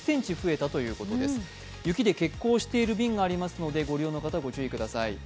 雪で欠航している便がありますのでご利用の方はご注意ください。